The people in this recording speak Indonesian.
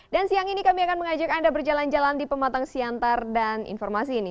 dan siang ini kami akan mengajak anda berjalan jalan di pematang siantar dan informasi ini